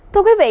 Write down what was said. thưa quý vị